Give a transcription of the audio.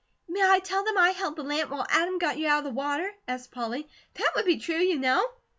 "May I tell them I held the lamp while Adam got you out of the water?" asked Polly. "That would be true, you know."